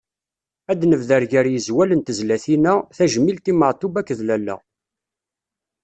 Ad nebder gar yizwal n tezlatin-a: Tajmilt i Matoub akked lalla.